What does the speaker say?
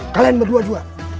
kalian berdua juga